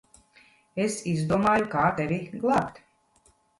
Es izdomāju, kā tevi glābt.